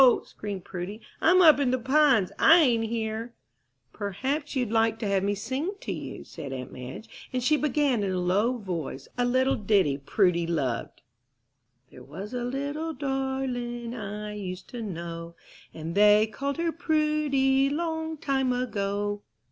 screamed Prudy, "I'm up in the Pines, I ain't here." "Perhaps you'd like to have me sing to you," said aunt Madge; and she began, in a low voice, a little ditty Prudy loved: "There was a little darling I used to know, And they called her Prudy, Long time ago."